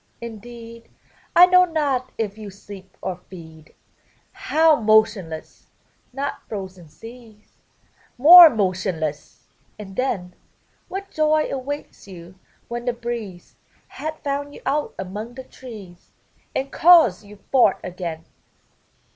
indeed I know not if you sleep or feed. How m.otionless! — not frozen seas More motionless! and then What joy awaits you, when the breeze Hath found you out among the trees, And calls you forth again!